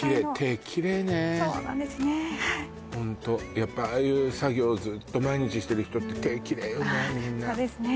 ホントやっぱああいう作業をずっと毎日してる人って手キレイよね